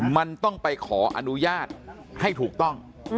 มันต้องไปขออนุญาตให้ถูกต้อง